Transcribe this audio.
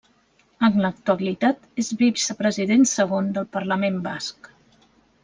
En l'actualitat és vicepresident segon del Parlament Basc.